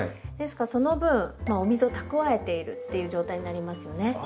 ですからその分お水を蓄えているっていう状態になりますよね。